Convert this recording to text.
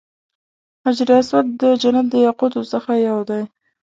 حجر اسود د جنت د یاقوتو څخه یو دی.